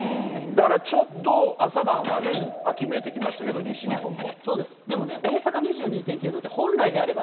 だからちょっと朝晩はね、秋めいてきましたけど、西日本も。